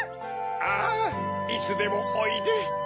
ああいつでもおいで。